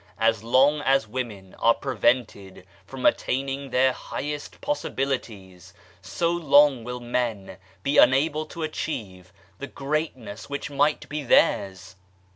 As long as women are prevented from attain ing their highest possibilities, so long will men be unable to achieve the greatness which might be theirs.